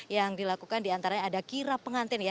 yang dilakukan diantaranya ada kira pengantin ya